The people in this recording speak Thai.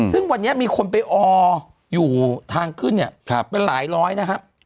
ซึ่งวันนี้มีคนไปอออยู่ทางขึ้นเนี่ยเป็นหลายร้อยนะครับ